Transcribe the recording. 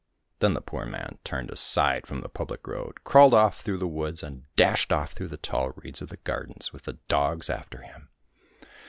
Then the poor man turned aside from the public road, crawled off through the woods, and dashed off through the tall reeds of the gardens, with the dogs after him.